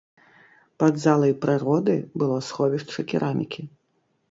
Пад залай прыроды было сховішча керамікі.